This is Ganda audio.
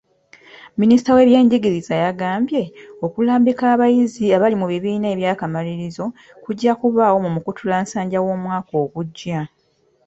Minisita w'ebyenjigiriza yagambye; okulambika abayizi abali mu bibiina eby'akamalirizo kujja kubaawo mu Mukutulnsanja w'omwaka ogujja.